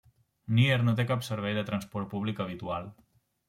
Nyer no té cap servei de transport públic habitual.